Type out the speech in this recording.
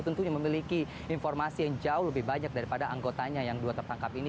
tentunya memiliki informasi yang jauh lebih banyak daripada anggotanya yang dua tertangkap ini